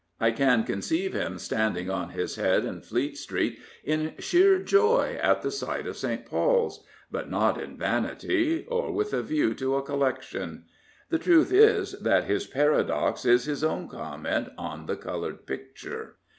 I can conceive him standing on his head in Fleet Street in sheer joy at the sight of St. Paurs, but not in vanity, or with a view to a collection. The truth is that his paradox is his own comment on the coloured picture.